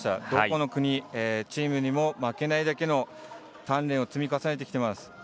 どこの国チームにも負けないだけの鍛練を積み重ねてきてます。